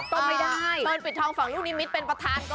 ก็ไม่ได้เบิร์นปิดทองฝั่งลูกนี้มิตรเป็นประธานก็ไม่เอาค่ะ